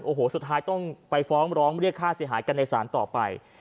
โอ้โหสุดท้ายต้องไปฟ้องร้องเรียกค่าเสียหายกันในศาลต่อไป